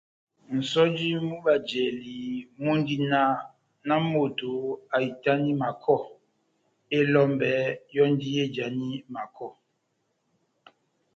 Nʼsɔjo mú bajlali mundi náh : nahámoto ahitani makɔ, elɔmbɛ yɔ́ndi éjani makɔ.